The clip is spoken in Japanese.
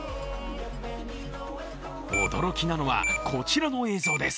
驚きなのは、こちらの映像です。